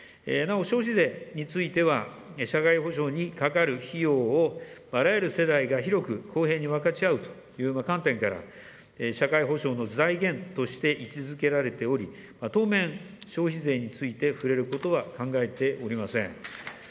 なお消費税については、社会保障にかかる費用をあらゆる世代が広く公平に分かち合うという観点から、社会保障の財源として位置づけられており、当面、消費税について触れることは考えておりません。